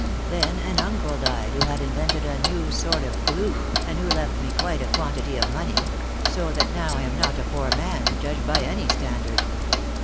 Then an uncle died who had invented a new sort of glue, and who left me quite a quantity of money ; so that now I am not a poor man, judged by any standard.